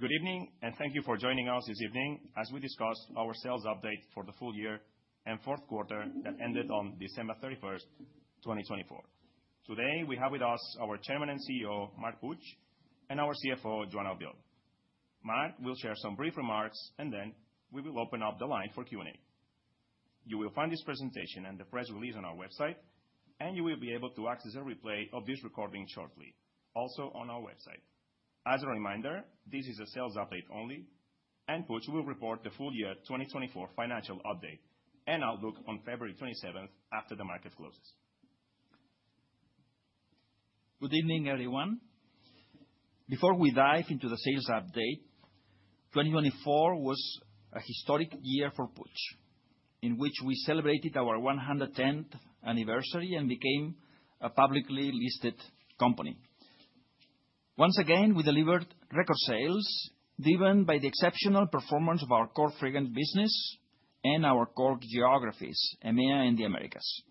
Good evening, and thank you for joining us this evening as we discuss our sales update for the full year and Q4 that ended on December 31, 2024. Today, we have with us our Chairman and CEO, Marc Puig, and our CFO, Joan Albiol. Marc will share some brief remarks, and then we will open up the line for Q&A. You will find this presentation and the press release on our website, and you will be able to access a replay of this recording shortly, also on our website. As a reminder, this is a sales update only, and Puig will report the FY2024 financial update and outlook on February 27th after the market closes. Good evening, everyone. Before we dive into the sales update, 2024 was a historic year for Puig, in which we celebrated our 110th anniversary and became a publicly listed company. Once again, we delivered record sales, driven by the exceptional performance of our core fragrance business and our core geographies, EMEA and the Americas.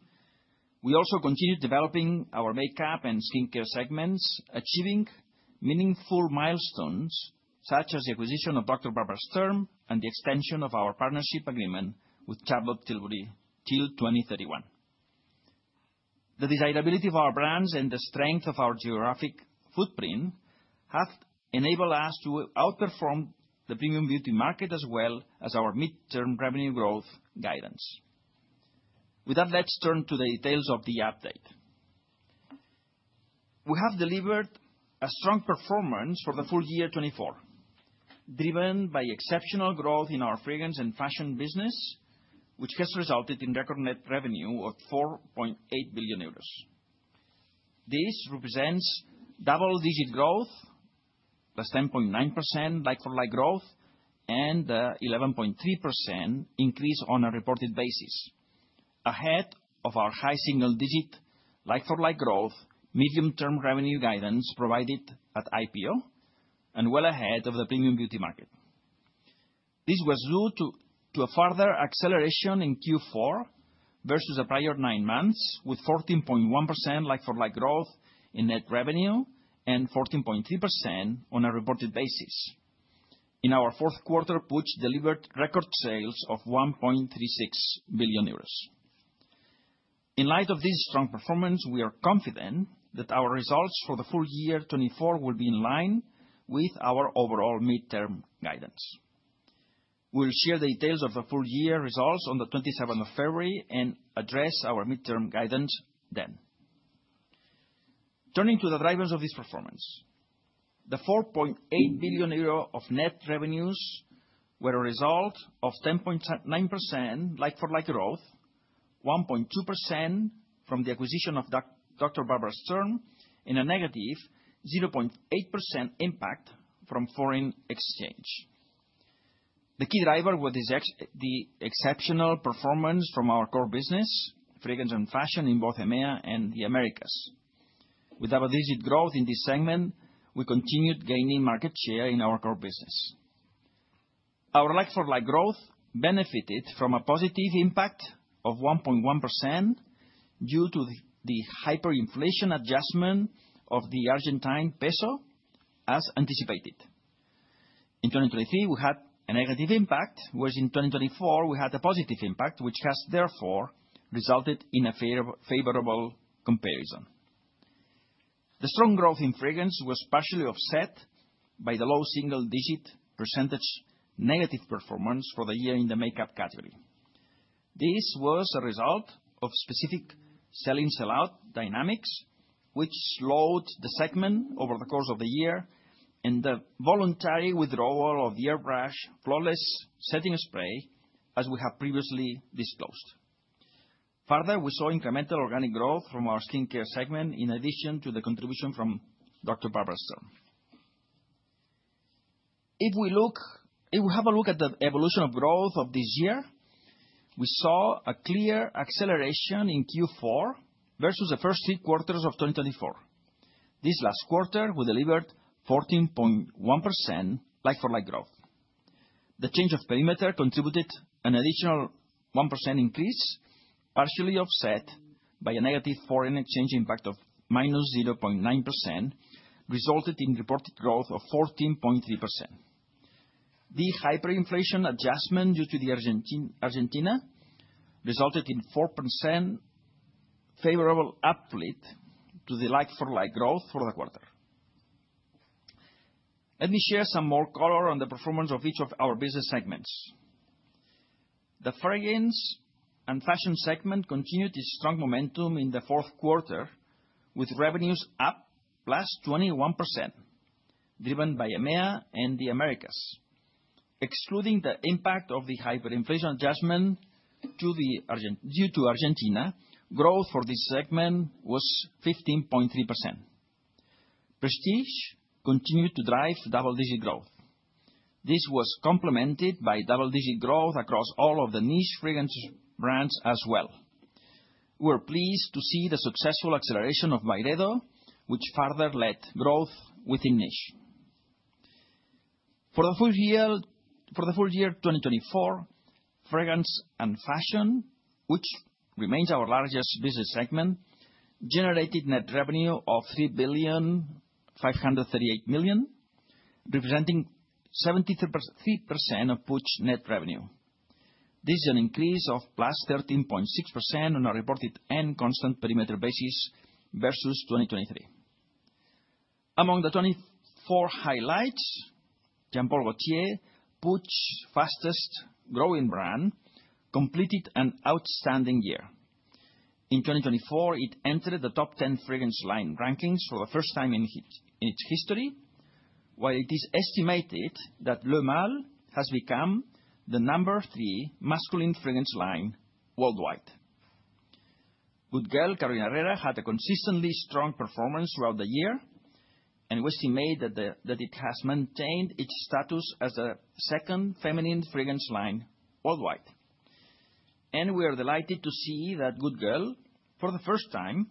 We also continued developing our makeup and skincare segments, achieving meaningful milestones such as the acquisition of Dr. Barbara Sturm and the extension of our partnership agreement with Charlotte Tilbury till 2031. The desirability of our brands and the strength of our geographic footprint have enabled us to outperform the premium beauty market, as well as our midterm revenue growth guidance. With that, let's turn to the details of the update. We have delivered a strong performance for the FY2024, driven by exceptional growth in our fragrance and fashion business, which has resulted in record net revenue of 4.8 billion euros. This represents double-digit growth, the 10.9% like-for-like growth, and the 11.3% increase on a reported basis, ahead of our high single-digit like-for-like growth medium-term revenue guidance provided at IPO, and well ahead of the premium beauty market. This was due to a further acceleration in Q4 versus the prior nine months, with 14.1% like-for-like growth in net revenue and 14.3% on a reported basis. In our Q4, Puig delivered record sales of 1.36 billion euros. In light of this strong performance, we are confident that our results for the FY2024 will be in line with our overall midterm guidance. We'll share the details of the FY results on the February 27th and address our midterm guidance then. Turning to the drivers of this performance, the € 4.8 billion of net revenues were a result of 10.9% like-for-like growth, 1.2% from the acquisition of Dr. Barbara Sturm, and a negative 0.8% impact from foreign exchange. The key driver was the exceptional performance from our core business, fragrance and fashion, in both EMEA and the Americas. With double-digit growth in this segment, we continued gaining market share in our core business. Our like-for-like growth benefited from a positive impact of 1.1% due to the hyperinflation adjustment of the Argentine peso, as anticipated. In 2023, we had a negative impact, whereas in 2024, we had a positive impact, which has therefore resulted in a favorable comparison. The strong growth in fragrance was partially offset by the low single-digit percentage negative performance for the year in the makeup category. This was a result of specific sell-in/sell-out dynamics, which slowed the segment over the course of the year and the voluntary withdrawal of the Airbrush Flawless Setting Spray, as we have previously disclosed. Further, we saw incremental organic growth from our skincare segment, in addition to the contribution from Dr. Barbara Sturm. If we have a look at the evolution of growth of this year, we saw a clear acceleration in Q4 versus the first three quarters of 2024. This last quarter, we delivered 14.1% like-for-like growth. The change of perimeter contributed an additional 1% increase, partially offset by a negative foreign exchange impact of minus 0.9%, resulting in reported growth of 14.3%. The hyperinflation adjustment due to Argentina resulted in a 4% favorable uplift to the like-for-like growth for the quarter. Let me share some more color on the performance of each of our business segments. The fragrance and fashion segment continued its strong momentum in the Q4, with revenues up +21%, driven by EMEA and the Americas. Excluding the impact of the hyperinflation adjustment due to Argentina, growth for this segment was 15.3%. Prestige continued to drive double-digit growth. This was complemented by double-digit growth across all of the niche fragrance brands as well. We were pleased to see the successful acceleration of Byredo, which further led growth within niche. For the FY2024, fragrance and fashion, which remains our largest business segment, generated net revenue of 3,538 million, representing 73% of Puig's net revenue. This is an increase of +13.6% on a reported and constant perimeter basis versus 2023. Among the 2024 highlights, Jean Paul Gaultier, Puig's fastest-growing brand, completed an outstanding year. In 2024, it entered the top 10 fragrance line rankings for the first time in its history, while it is estimated that Le Male has become the number three masculine fragrance line worldwide. Good Girl, Carolina Herrera had a consistently strong performance throughout the year, and we estimate that it has maintained its status as the second feminine fragrance line worldwide, and we are delighted to see that Good Girl, for the first time,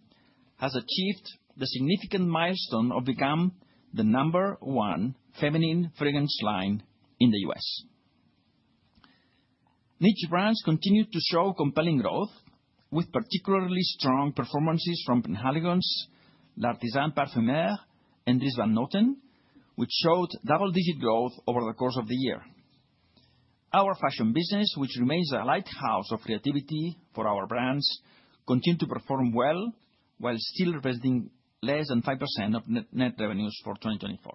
has achieved the significant milestone of becoming the number one feminine fragrance line in the U.S. Niche brands continued to show compelling growth, with particularly strong performances from Penhaligon's, L'Artisan Parfumeur, and Dries Van Noten, which showed double-digit growth over the course of the year. Our fashion business, which remains a lighthouse of creativity for our brands, continued to perform well, while still representing less than 5% of net revenues for 2024.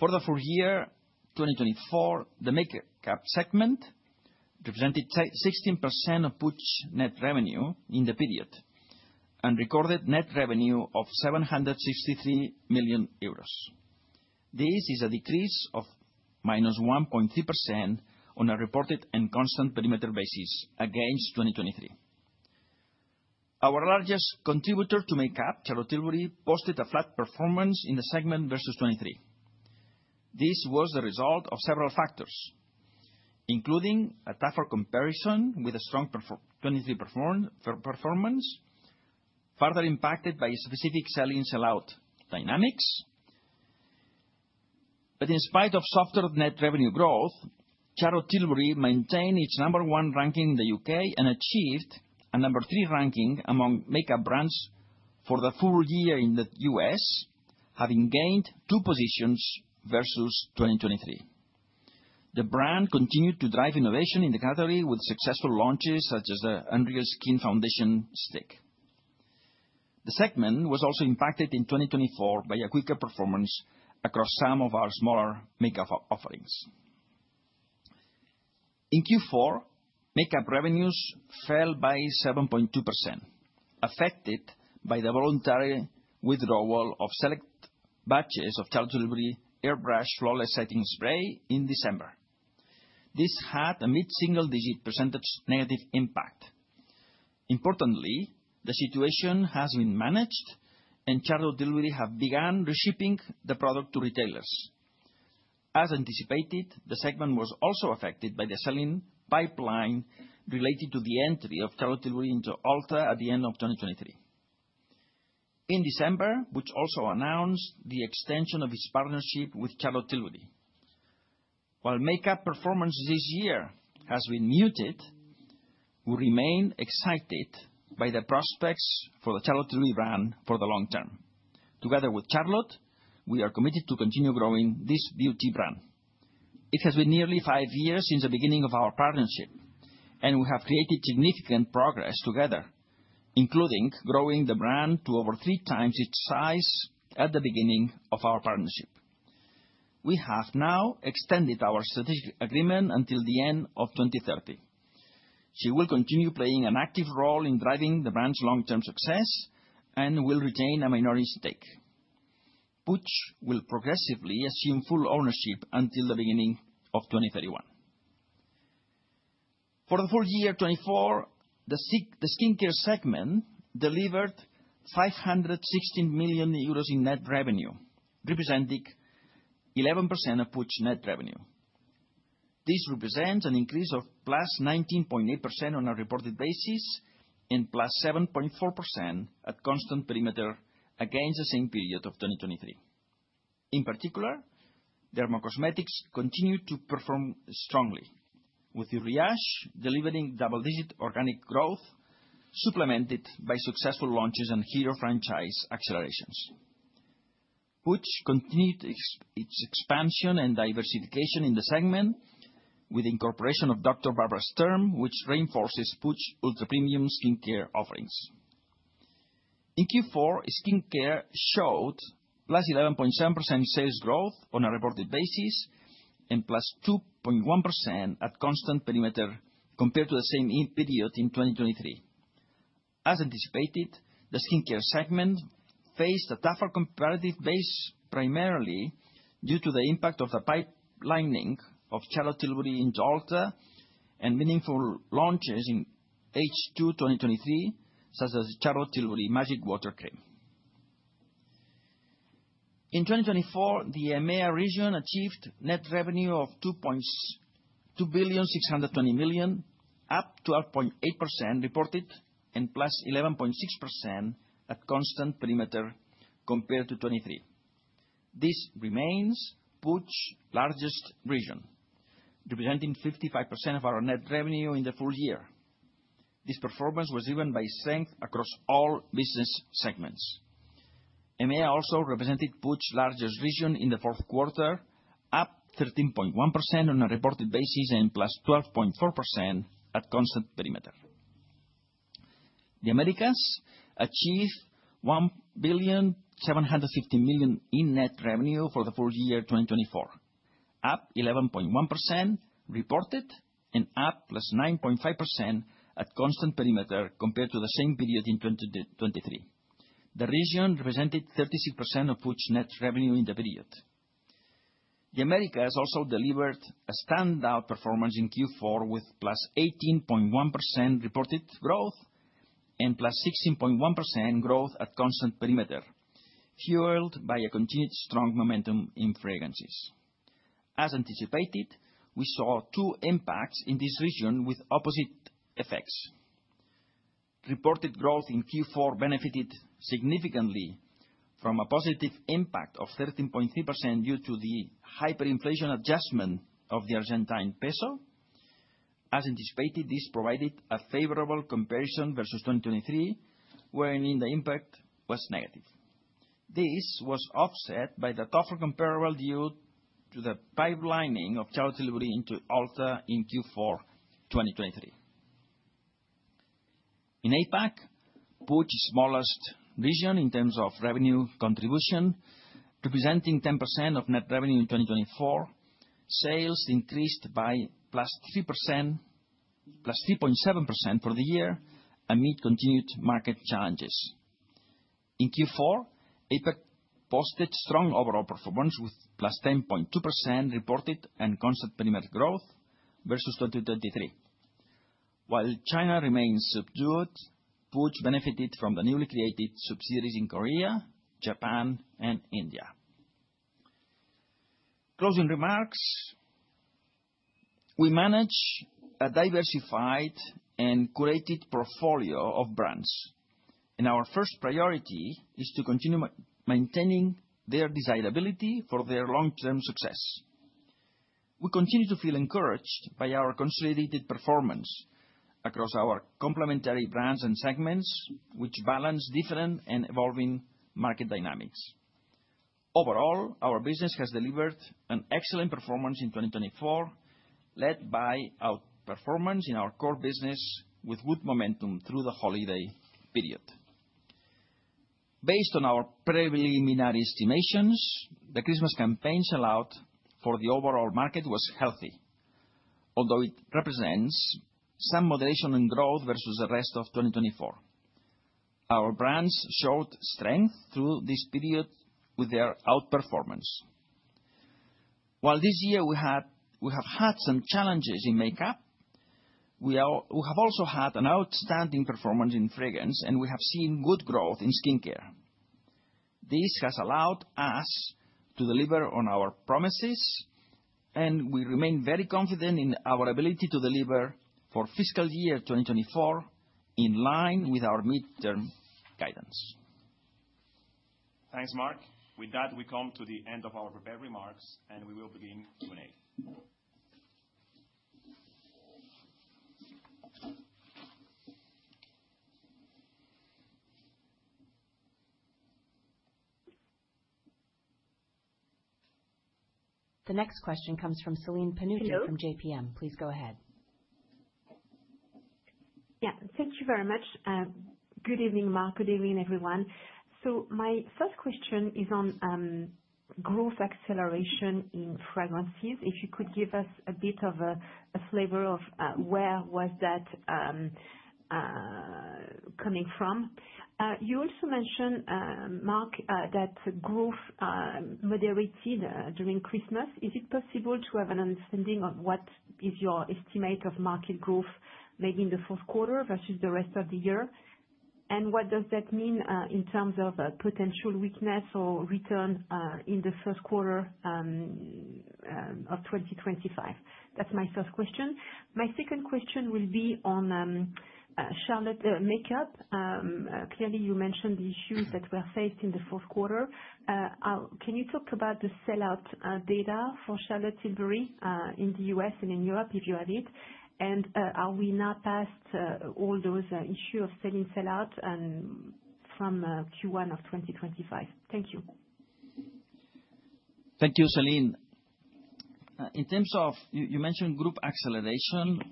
For the FY 2024, the makeup segment represented 16% of Puig's net revenue in the period and recorded net revenue of 763 million euros. This is a decrease of minus 1.3% on a reported and constant perimeter basis against 2023. Our largest contributor to makeup, Charlotte Tilbury, posted a flat performance in the segment versus 2023. This was the result of several factors, including a tougher comparison with a strong 2023 performance, further impacted by specific sell-in/sell-out dynamics. But in spite of softer net revenue growth, Charlotte Tilbury maintained its number one ranking in the U.K. and achieved a number three ranking among makeup brands for the full year in the U.S., having gained two positions versus 2023. The brand continued to drive innovation in the category with successful launches such as the Unreal Skin Foundation Stick. The segment was also impacted in 2024 by a weaker performance across some of our smaller makeup offerings. In Q4, makeup revenues fell by 7.2%, affected by the voluntary withdrawal of select batches of Charlotte Tilbury Airbrush Flawless Setting Spray in December. This had a mid-single-digit percentage negative impact. Importantly, the situation has been managed, and Charlotte Tilbury has begun reshipping the product to retailers. As anticipated, the segment was also affected by the sell-in pipeline related to the entry of Charlotte Tilbury into Ulta at the end of 2023. In December, Puig also announced the extension of its partnership with Charlotte Tilbury. While makeup performance this year has been muted, we remain excited by the prospects for the Charlotte Tilbury brand for the long term. Together with Charlotte, we are committed to continue growing this beauty brand. It has been nearly five years since the beginning of our partnership, and we have created significant progress together, including growing the brand to over three times its size at the beginning of our partnership. We have now extended our strategic agreement until the end of 2030. She will continue playing an active role in driving the brand's long-term success and will retain a minority stake. Puig will progressively assume full ownership until the beginning of 2031. For the FY2024, the skincare segment delivered 516 million euros in net revenue, representing 11% of Puig's net revenue. This represents an increase of +19.8% on a reported basis and +7.4% at constant perimeter against the same period of 2023. In particular, dermocosmetics continued to perform strongly, with Uriage delivering double-digit organic growth, supplemented by successful launches and hero franchise accelerations. Puig continued its expansion and diversification in the segment with the incorporation of Dr. Barbara Sturm, which reinforces Puig's ultra-premium skincare offerings. In Q4, skincare showed +1.7% sales growth on a reported basis and +2.1% at constant perimeter compared to the same period in 2023. As anticipated, the skincare segment faced a tougher comparative base, primarily due to the impact of the pipelining of Charlotte Tilbury into Ulta and meaningful launches in H2 2023, such as Charlotte Tilbury Magic Water Cream. In 2024, the EMEA region achieved net revenue of 2,620 million, up 12.8% reported and +11.6% at constant perimeter compared to 2023. This remains Puig's largest region, representing 55% of our net revenue in the full year. This performance was driven by strength across all business segments. EMEA also represented Puig's largest region in the Q4, up 13.1% on a reported basis and +12.4% at constant perimeter. The Americas achieved €1,750 million in net revenue for the FY 2024, up 11.1% reported and up +9.5% at constant perimeter compared to the same period in 2023. The region represented 36% of Puig's net revenue in the period. The Americas also delivered a standout performance in Q4 with +18.1% reported growth and +16.1% growth at constant perimeter, fueled by a continued strong momentum in fragrances. As anticipated, we saw two impacts in this region with opposite effects. Reported growth in Q4 benefited significantly from a positive impact of 13.3% due to the hyperinflation adjustment of the Argentine peso. As anticipated, this provided a favorable comparison versus 2023, wherein the impact was negative. This was offset by the tougher comparable due to the pipelining of Charlotte Tilbury into Ulta in Q4 2023. In APAC, Puig is the smallest region in terms of revenue contribution, representing 10% of net revenue in 2024. Sales increased by +3.7% for the year amid continued market challenges. In Q4, APAC posted strong overall performance with +10.2% reported and constant perimeter growth versus 2023. While China remains subdued, Puig benefited from the newly created subsidiaries in Korea, Japan, and India. Closing remarks. We manage a diversified and curated portfolio of brands, and our first priority is to continue maintaining their desirability for their long-term success. We continue to feel encouraged by our consolidated performance across our complementary brands and segments, which balance different and evolving market dynamics. Overall, our business has delivered an excellent performance in 2024, led by our performance in our core business with good momentum through the holiday period. Based on our preliminary estimations, the Christmas campaign sell-out for the overall market was healthy, although it represents some moderation in growth versus the rest of 2024. Our brands showed strength through this period with their outperformance. While this year we have had some challenges in makeup, we have also had an outstanding performance in fragrance, and we have seen good growth in skincare. This has allowed us to deliver on our promises, and we remain very confident in our ability to deliver for fiscal year 2024 in line with our midterm guidance. Thanks, Marc. With that, we come to the end of our prepared remarks, and we will begin Q&A. The next question comes from Celine Pannuti from JPM. Please go ahead. Yeah, thank you very much. Good evening, Marc. Good evening, everyone. So my first question is on growth acceleration in fragrances. If you could give us a bit of a flavor of where was that coming from? You also mentioned, Marc, that growth moderated during Christmas. Is it possible to have an understanding of what is your estimate of market growth, maybe in the Q4 versus the rest of the year? And what does that mean in terms of potential weakness or return in the Q2 of 2025? That's my first question. My second question will be on Charlotte makeup. Clearly, you mentioned the issues that were faced in the Q4. Can you talk about the sellout data for Charlotte Tilbury in the U.S. and in Europe, if you have it? And are we now past all those issues of sell-in/sell-out from Q1 of 2025? Thank you. Thank you, Celine. In terms of, you mentioned group acceleration.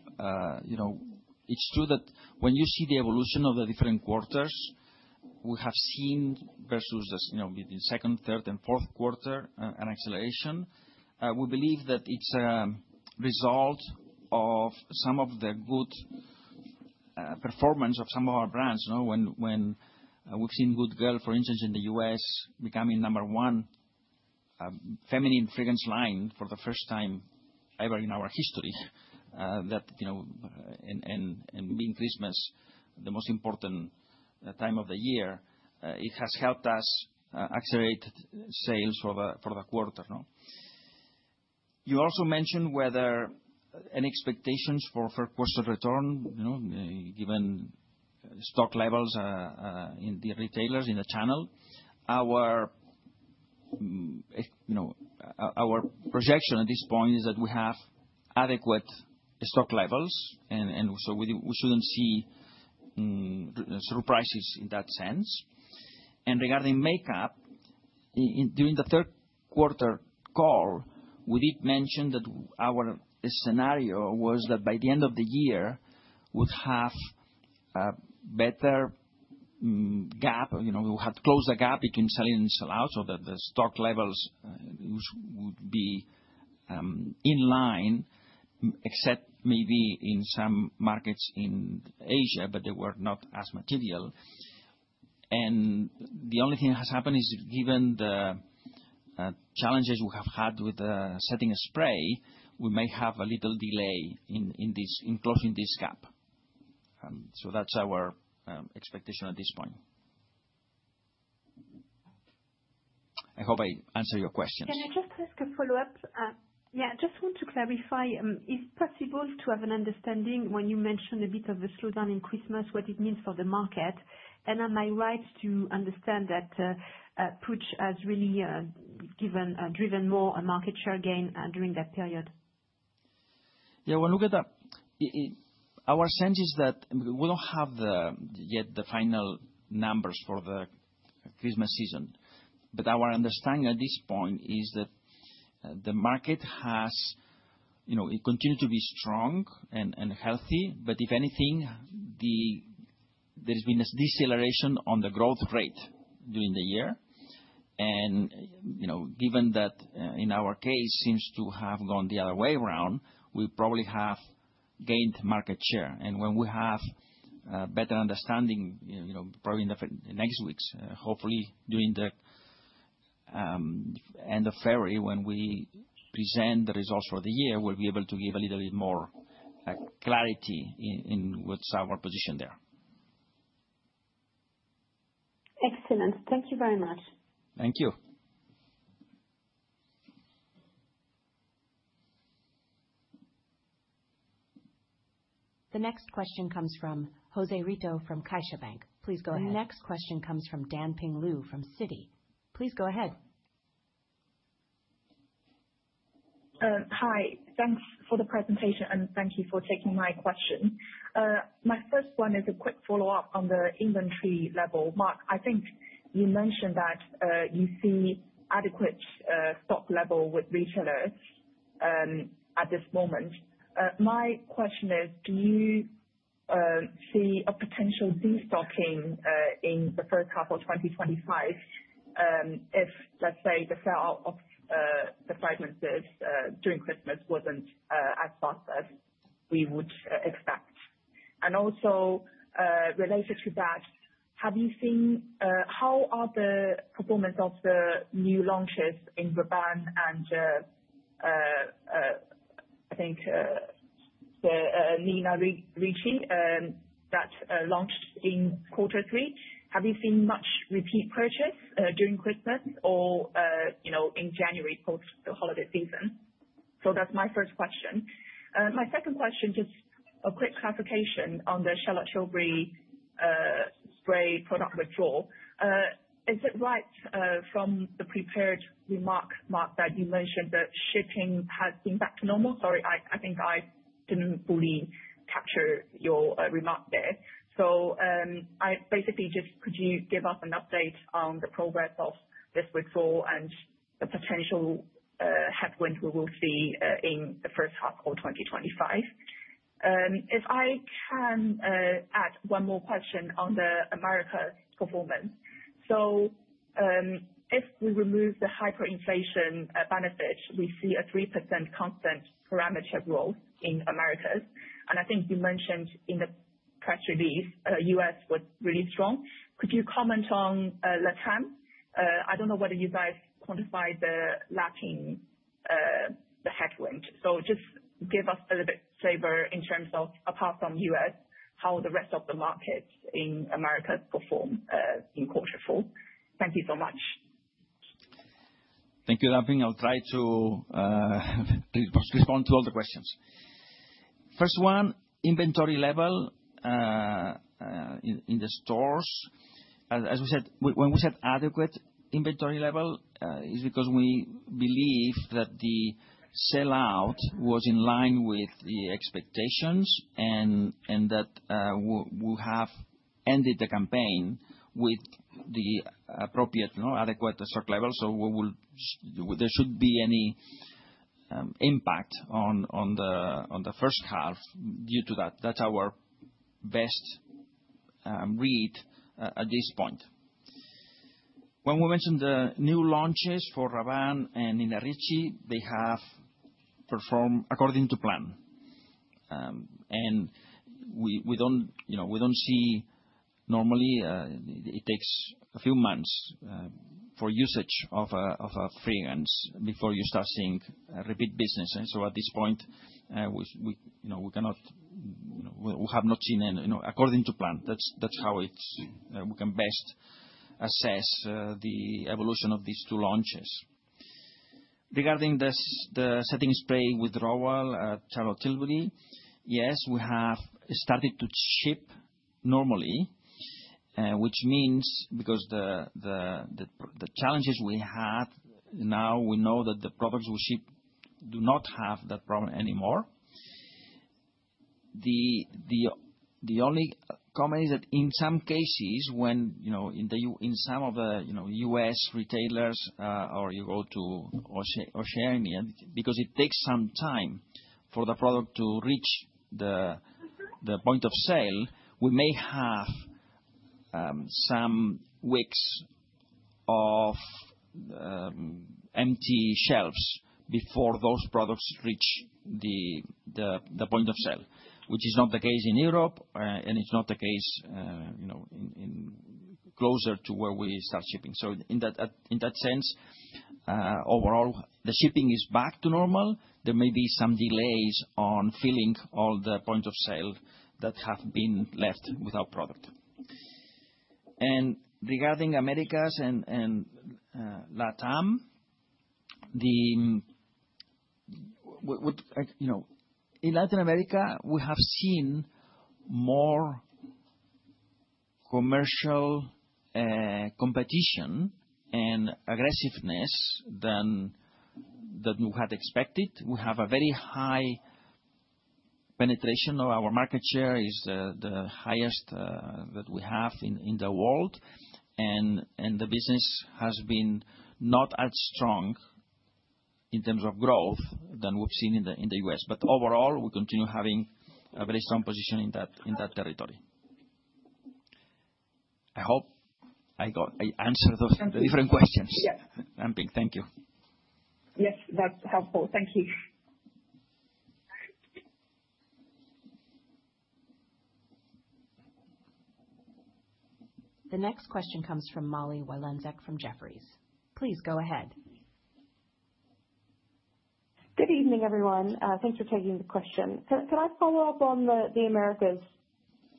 It's true that when you see the evolution of the different quarters, we have seen versus between second, third, and Q4 an acceleration. We believe that it's a result of some of the good performance of some of our brands. When we've seen Good Girl, for instance, in the U.S. becoming number one feminine fragrance line for the first time ever in our history, and being Christmas, the most important time of the year, it has helped us accelerate sales for the quarter. You also mentioned whether any expectations for Q2 return, given stock levels in the retailers in the channel. Our projection at this point is that we have adequate stock levels, and so we shouldn't see surprises in that sense. Regarding makeup, during the Q3 call, we did mention that our scenario was that by the end of the year, we'd have a better gap. We would have closed the gap between sell-in and sell-out, so that the stock levels would be in line, except maybe in some markets in Asia, but they were not as material. The only thing that has happened is, given the challenges we have had with setting spray, we may have a little delay in closing this gap. That's our expectation at this point. I hope I answered your questions. Can I just ask a follow-up? Yeah, I just want to clarify. Is it possible to have an understanding when you mentioned a bit of the slowdown in Christmas, what it means for the market? Am I right to understand that Puig has really driven more market share gain during that period? Yeah, when we look at our sense is that we don't have yet the final numbers for the Christmas season. But our understanding at this point is that the market has continued to be strong and healthy, but if anything, there has been a deceleration on the growth rate during the year. Given that in our case, it seems to have gone the other way around, we probably have gained market share. When we have a better understanding, probably in the next weeks, hopefully during the end of February, when we present the results for the year, we'll be able to give a little bit more clarity in what's our position there. Excellent. Thank you very much. Thank you. The next question comes from José Rito from CaixaBank. Please go ahead. The next question comes from Daphne Leong from Citi. Please go ahead. Hi, thanks for the presentation, and thank you for taking my question. My first one is a quick follow-up on the inventory level. Marc, I think you mentioned that you see adequate stock level with retailers at this moment. My question is, do you see a potential destocking in the H1 of 2025 if, let's say, the sellout of the fragrances during Christmas wasn't as fast as we would expect? And also, related to that, have you seen how are the performance of the new launches in Rabanne and, I think, Nina Ricci that launched in quarter three? Have you seen much repeat purchase during Christmas or in January post-holiday season? So that's my first question. My second question, just a quick clarification on the Charlotte Tilbury spray product withdrawal. Is it right from the prepared remark, Marc, that you mentioned that shipping has been back to normal? Sorry, I think I didn't fully capture your remark there. So basically, just could you give us an update on the progress of this withdrawal and the potential headwind we will see in the H1 of 2025? If I can add one more question on the Americas' performance. So if we remove the hyperinflation benefits, we see a 3% constant perimeter growth in Americas. And I think you mentioned in the press release, US was really strong. Could you comment on Latam? I don't know whether you guys quantify the Latin headwind. So just give us a little bit of flavor in terms of, apart from US, how the rest of the markets in America perform in quarter four. Thank you so much. Thank you, Daphne. I'll try to respond to all the questions. First one, inventory level in the stores. As we said, when we said adequate inventory level, it's because we believe that the sellout was in line with the expectations and that we have ended the campaign with the appropriate, adequate stock level. So there shouldn't be any impact on the H1 due to that. That's our best read at this point. When we mentioned the new launches for Rabanne and Nina Ricci, they have performed according to plan, and we don't see normally, it takes a few months for usage of a fragrance before you start seeing repeat business. So at this point, we cannot have not seen according to plan. That's how we can best assess the evolution of these two launches. Regarding the setting spray withdrawal at Charlotte Tilbury, yes, we have started to ship normally, which means because the challenges we had, now we know that the products we ship do not have that problem anymore. The only comment is that in some cases, when in some of the U.S. retailers, or you go to Oceania, because it takes some time for the product to reach the point of sale, we may have some weeks of empty shelves before those products reach the point of sale, which is not the case in Europe, and it's not the case closer to where we start shipping. So in that sense, overall, the shipping is back to normal. There may be some delays on filling all the points of sale that have been left without product. Regarding Americas and Latam, in Latin America, we have seen more commercial competition and aggressiveness than we had expected. We have a very high penetration of our market share. It's the highest that we have in the world. The business has been not as strong in terms of growth than we've seen in the U.S. Overall, we continue having a very strong position in that territory. I hope I answered the different questions. Yeah. Thank you. Yes, that's helpful. Thank you. The next question comes from Molly Wylenzek from Jefferies. Please go ahead. Good evening, everyone. Thanks for taking the question. Can I follow up on the Americas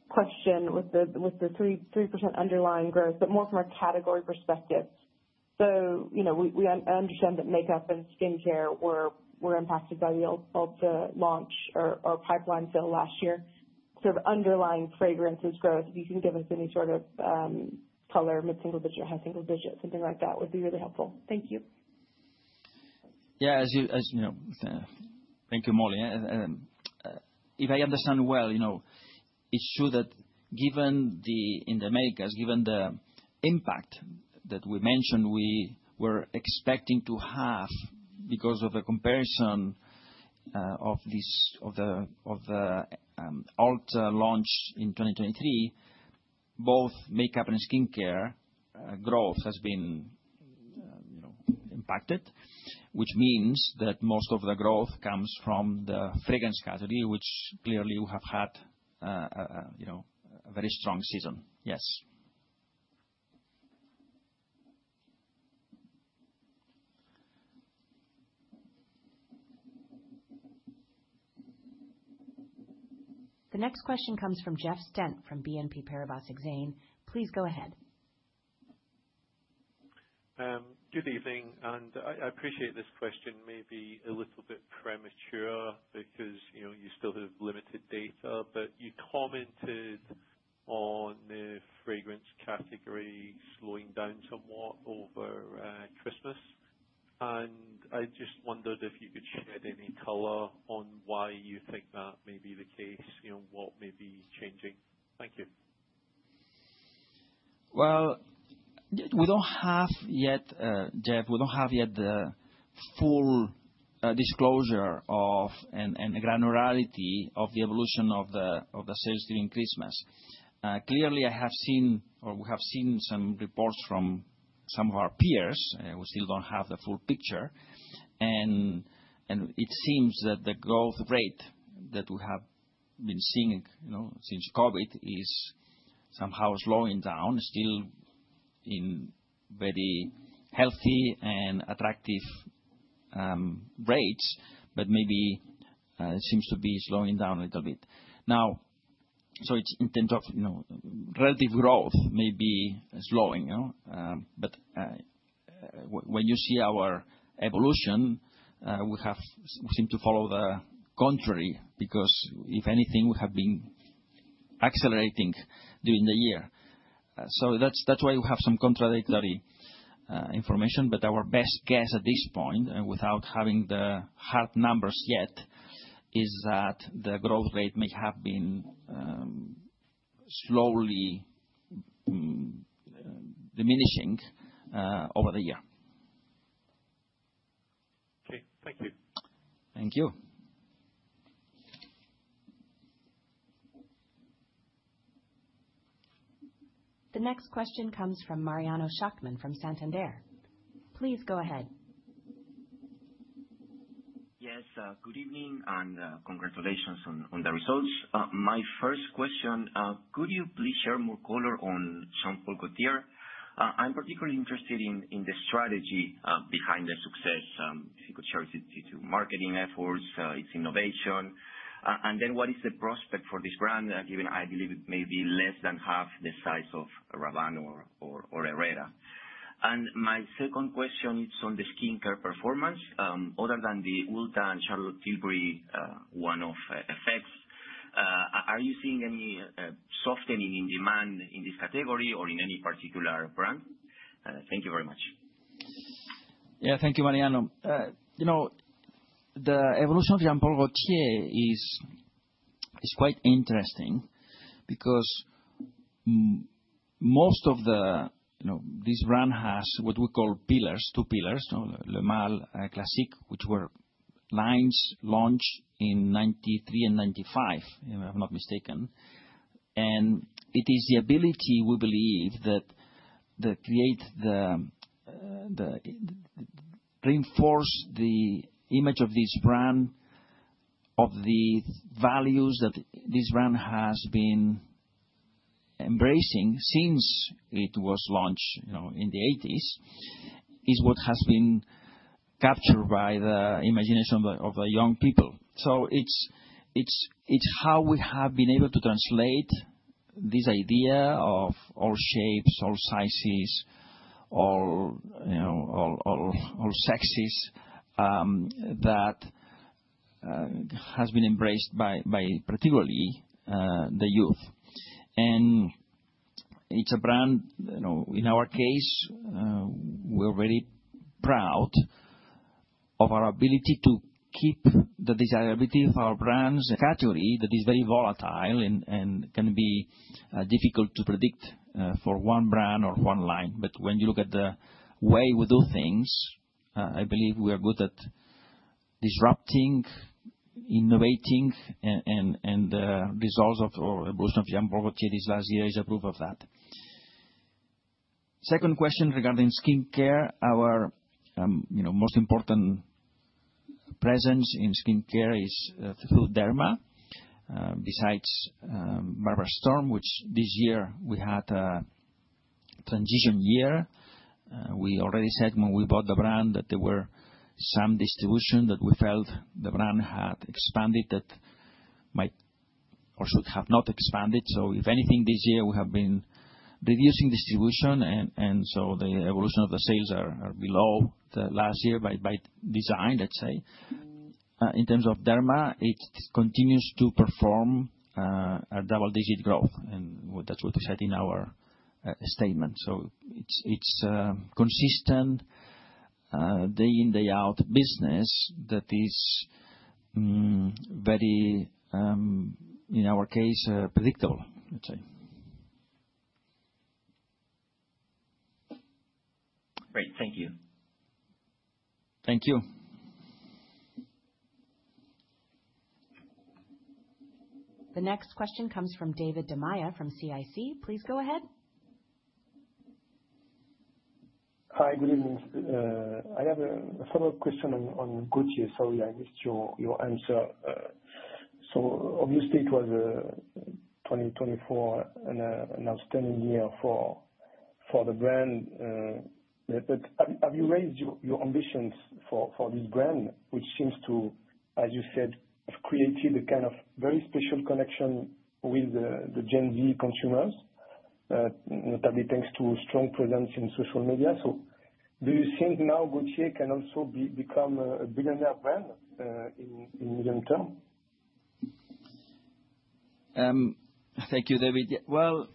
question with the 3% underlying growth, but more from a category perspective? So we understand that makeup and skincare were impacted by the Airbrush launch or pipeline sale last year. Sort of underlying fragrances growth, if you can give us any sort of color, mid-single digit, high-single digit, something like that would be really helpful. Thank you. Yeah, as you know, thank you, Molly. If I understand well, it's true that given the in the Americas, given the impact that we mentioned we were expecting to have because of the comparison of the Ulta launch in 2023, both makeup and skincare growth has been impacted, which means that most of the growth comes from the fragrance category, which clearly we have had a very strong season. Yes. The next question comes from Jeff Stent from BNP Paribas Exane. Please go ahead. Good evening, and I appreciate this question may be a little bit premature because you still have limited data, but you commented on the fragrance category slowing down somewhat over Christmas. I just wondered if you could share any color on why you think that may be the case, what may be changing. Thank you. We don't have yet, Jeff, the full disclosure of and granularity of the evolution of the sales during Christmas. Clearly, I have seen or we have seen some reports from some of our peers. We still don't have the full picture. It seems that the growth rate that we have been seeing since COVID is somehow slowing down, still in very healthy and attractive rates, but maybe it seems to be slowing down a little bit. In terms of relative growth, maybe slowing. When you see our evolution, we seem to follow the contrary because if anything, we have been accelerating during the year. That's why we have some contradictory information. But our best guess at this point, without having the hard numbers yet, is that the growth rate may have been slowly diminishing over the year. Okay. Thank you. Thank you. The next question comes from Mariano Schachman from Santander. Please go ahead. Yes, good evening and congratulations on the results. My first question, could you please share more color on Jean Paul Gaultier? I'm particularly interested in the strategy behind the success. If you could share its marketing efforts, its innovation, and then what is the prospect for this brand, given I believe it may be less than half the size of Rabanne or Herrera? And my second question is on the skincare performance. Other than the Ulta and Charlotte Tilbury one-off effects, are you seeing any softening in demand in this category or in any particular brand? Thank you very much. Yeah, thank you, Mariano. The evolution of Jean Paul Gaultier is quite interesting because most of this brand has what we call pillars, two pillars, Le Male, Classique, which were lines launched in 1993 and 1995, if I'm not mistaken. It is the ability, we believe, that creates and reinforces the image of this brand, of the values that this brand has been embracing since it was launched in the 1980s, is what has been captured by the imagination of the young people. It's how we have been able to translate this idea of all shapes, all sizes, all sexes that has been embraced by particularly the youth. It's a brand. In our case, we're very proud of our ability to keep the desirability of our brands. Category that is very volatile and can be difficult to predict for one brand or one line. But when you look at the way we do things, I believe we are good at disrupting, innovating, and the results of the evolution of Jean Paul Gaultier this last year is a proof of that. Second question regarding skincare, our most important presence in skincare is through Derma. Besides Barbara Sturm, which this year we had a transition year, we already said when we bought the brand that there were some distribution that we felt the brand had expanded that might or should have not expanded. So if anything, this year we have been reducing distribution, and so the evolution of the sales are below last year by design, let's say. In terms of Derma, it continues to perform a double-digit growth, and that's what we said in our statement. So it's consistent day in, day out business that is very, in our case, predictable, let's say. Great. Thank you. Thank you. The next question comes from David Da Maia from CIC. Please go ahead. Hi, good evening. I have a follow-up question on Gaultier. Sorry, I missed your answer. So obviously, it was a 2024 and an outstanding year for the brand. But have you raised your ambitions for this brand, which seems to, as you said, have created a kind of very special connection with the Gen Z consumers, notably thanks to strong presence in social media? So do you think now Gaultier can also become a billionaire brand in the medium term? Thank you, David. Well,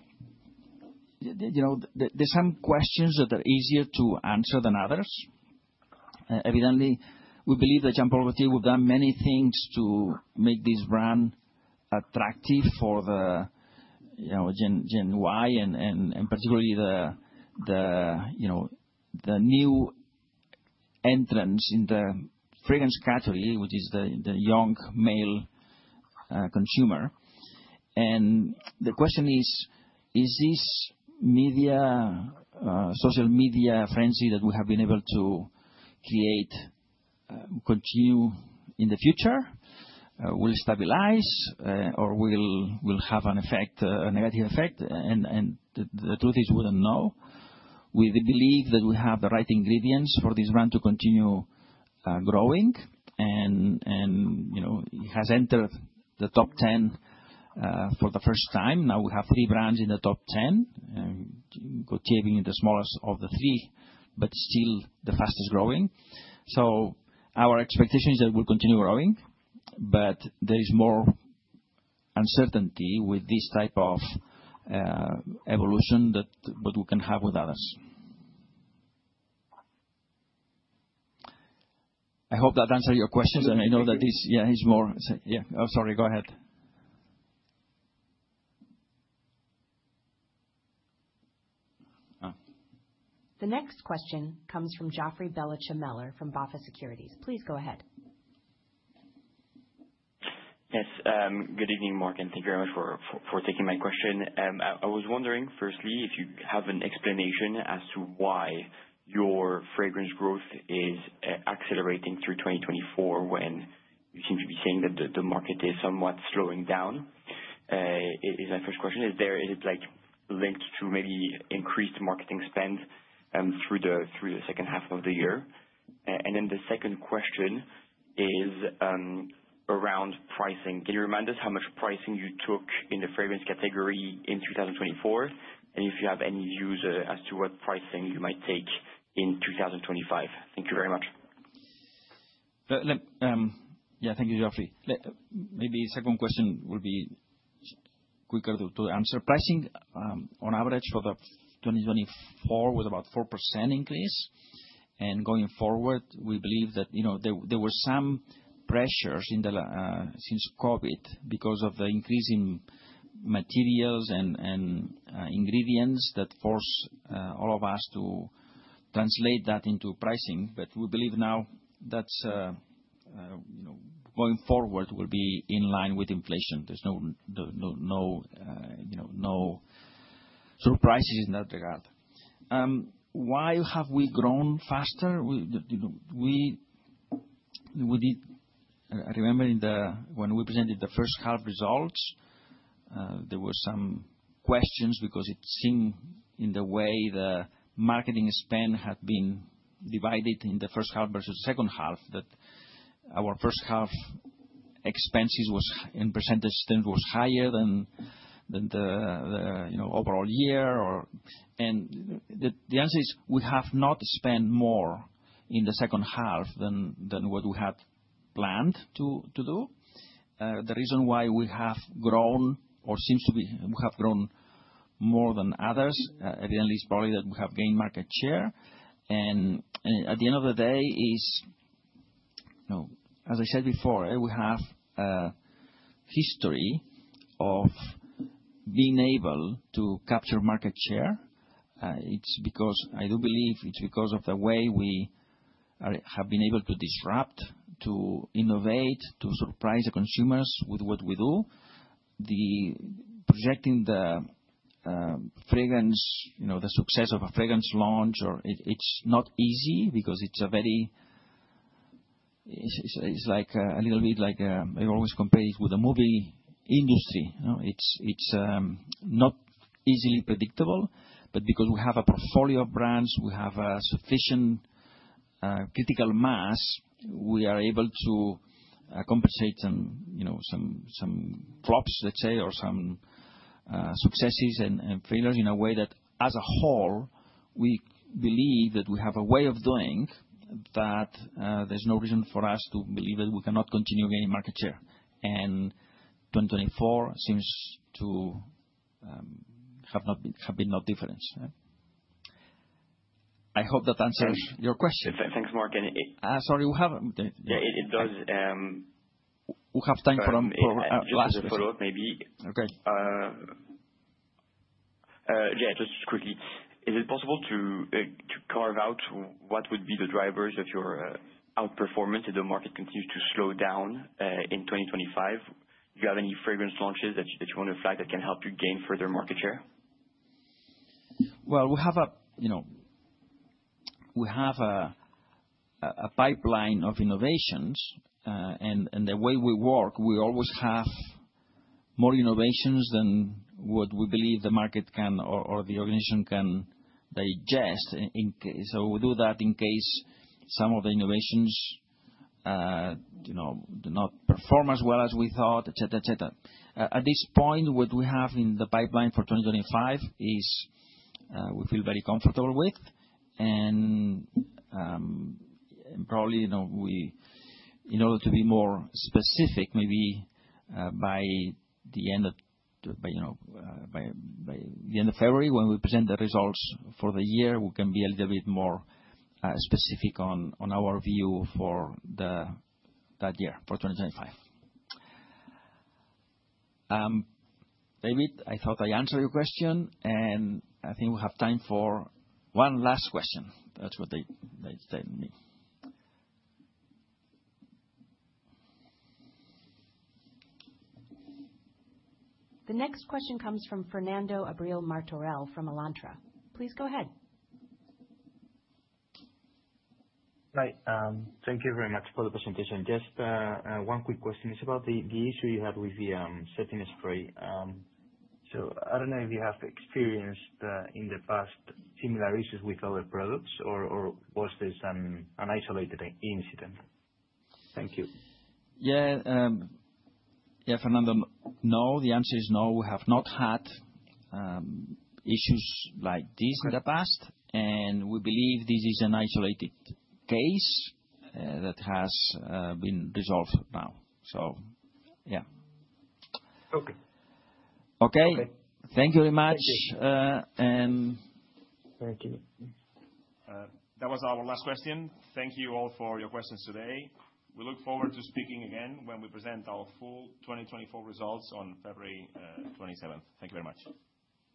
there are some questions that are easier to answer than others. Evidently, we believe that Jean Paul Gaultier will have done many things to make this brand attractive for the Gen Y and particularly the new entrants in the fragrance category, which is the young male consumer. The question is, is this social media frenzy that we have been able to create continue in the future? Will it stabilize or will it have a negative effect? And the truth is we don't know. We believe that we have the right ingredients for this brand to continue growing. And it has entered the top 10 for the first time. Now we have three brands in the top 10, Gaultier being the smallest of the three, but still the fastest growing. So our expectation is that we'll continue growing, but there is more uncertainty with this type of evolution than what we can have with others. I hope that answered your questions, and I know that this, yeah, it's more, sorry, go ahead. The next question comes from Joffrey Belliche Meller from BofA Securities. Please go ahead. Yes. Good evening, Marc. Thank you very much for taking my question. I was wondering, firstly, if you have an explanation as to why your fragrance growth is accelerating through 2024 when you seem to be seeing that the market is somewhat slowing down? It is my first question. Is it linked to maybe increased marketing spend through the H2 of the year? And then the second question is around pricing. Can you remind us how much pricing you took in the fragrance category in 2024? And if you have any views as to what pricing you might take in 2025? Thank you very much. Yeah, thank you, Joffrey. Maybe the second question will be quicker to answer. Pricing on average for 2024 was about 4% increase. And going forward, we believe that there were some pressures since COVID because of the increase in materials and ingredients that forced all of us to translate that into pricing. But we believe now that going forward will be in line with inflation. There's no surprises in that regard. Why have we grown faster? I remember when we presented the H1 results, there were some questions because it seemed in the way the marketing spend had been divided in the H1 versus the H2 that our H1 expenses in percentage terms was higher than the overall year. And the answer is we have not spent more in the H2 than what we had planned to do. The reason why we have grown or seems to be we have grown more than others, evidently, is probably that we have gained market share. And at the end of the day, as I said before, we have a history of being able to capture market share. It's because I do believe it's because of the way we have been able to disrupt, to innovate, to surprise the consumers with what we do. Projecting the success of a fragrance launch, it's not easy because it's like a little bit like I always compare it with the movie industry. It's not easily predictable, but because we have a portfolio of brands, we have a sufficient critical mass, we are able to compensate some flops, let's say, or some successes and failures in a way that as a whole, we believe that we have a way of doing that there's no reason for us to believe that we cannot continue gaining market share. And 2024 seems to have been no difference. I hope that answers your question. Thanks, Morgan. Sorry, we have it. It does. We have time for last question. Just a follow-up, maybe. Okay. Yeah, just quickly. Is it possible to carve out what would be the drivers of your outperformance if the market continues to slow down in 2025? Do you have any fragrance launches that you want to flag that can help you gain further market share? Well, we have a pipeline of innovations. And the way we work, we always have more innovations than what we believe the market can or the organization can digest. So we do that in case some of the innovations do not perform as well as we thought, etc., etc. At this point, what we have in the pipeline for 2025 is we feel very comfortable with. Probably, in order to be more specific, maybe by the end of February, when we present the results for the year, we can be a little bit more specific on our view for that year, for 2025. David, I thought I answered your question, and I think we have time for one last question. That's what they tell me. The next question comes from Fernando Abril-Martorell from Alantra. Please go ahead. Hi. Thank you very much for the presentation. Just one quick question. It's about the issue you had with the setting spray. So I don't know if you have experienced in the past similar issues with other products, or was this an isolated incident? Thank you. Yeah. Yeah, Fernando, no. The answer is no. We have not had issues like this in the past. And we believe this is an isolated case that has been resolved now. So yeah. Okay. Okay? Okay. Thank you very much. Thank you. Thank you. That was our last question. Thank you all for your questions today. We look forward to speaking again when we present our FY2024 results on February 27th. Thank you very much.